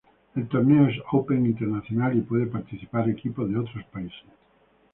El torneo es open internacional y pueden participar equipos de otros países.